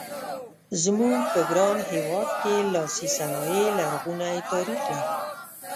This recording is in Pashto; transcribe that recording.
زموږ په ګران هېواد کې لاسي صنایع لرغونی تاریخ لري.